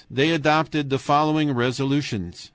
They adopted the following resolutions: "1.